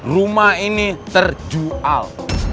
rumah ini terjual